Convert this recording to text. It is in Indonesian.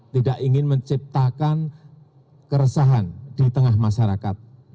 tidak ingin menciptakan keresahan di tengah masyarakat